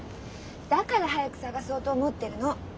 だから早く探そうと思ってるの。